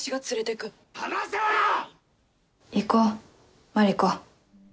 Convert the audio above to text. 行こう、マリコ。